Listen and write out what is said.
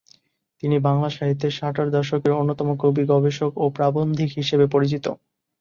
তিনি বাংলা সাহিত্যের ষাটের দশকের অন্যতম কবি, গবেষক ও প্রাবন্ধিক হিসেবে পরিচিত।